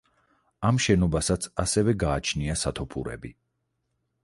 ამ შენობასაც ასევე გააჩნია სათოფურები.